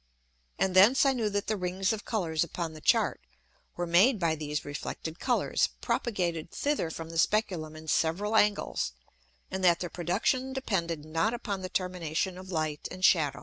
And thence I knew that the Rings of Colours upon the Chart were made by these reflected Colours, propagated thither from the Speculum in several Angles, and that their production depended not upon the termination of Light and Shadow.